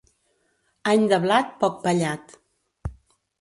Any de blat, poc pallat.